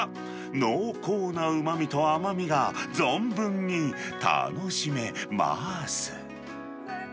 濃厚なうまみと甘みが存分に楽しめます。